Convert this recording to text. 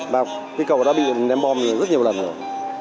và cái cầu đó bị đem bom rất nhiều lần rồi